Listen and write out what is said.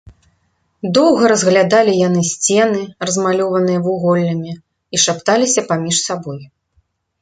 Доўга разглядалі яны сцены, размалёваныя вуголлямі, і шапталіся паміж сабой.